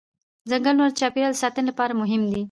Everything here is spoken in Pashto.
ځنګلونه د چاپېریال د ساتنې لپاره مهم دي